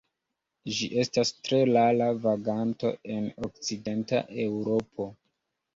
Ĝi estas tre rara vaganto en okcidenta Eŭropo.